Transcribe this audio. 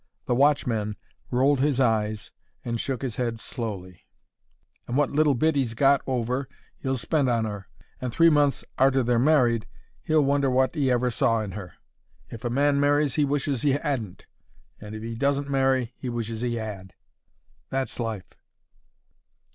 The watchman rolled his eyes and shook his head slowly. Nearly all his money on 'is back, he said, and what little bit 'e's got over he'll spend on 'er. And three months arter they're married he'll wonder wot 'e ever saw in her. If a man marries he wishes he 'adn't, and if he doesn't marry he wishes he 'ad. That's life.